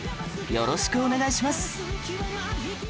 よろしくお願いします！